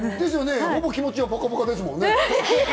ほぼ気持ちはポカポカですもんね。